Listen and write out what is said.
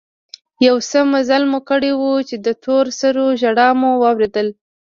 يو څه مزل مو کړى و چې د تور سرو ژړا مو واورېدل.